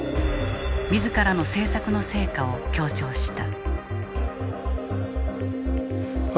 自らの政策の成果を強調した。